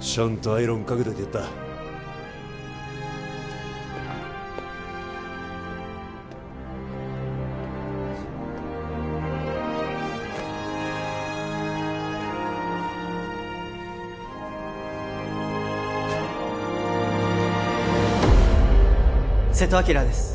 ちゃんとアイロンかけといてやった瀬戸輝です